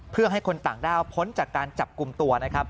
เพื่อให้คนต่างด้าวพ้นจากการจับกลุ่มตัวนะครับ